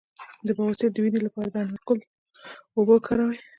د بواسیر د وینې لپاره د انار د ګل اوبه وکاروئ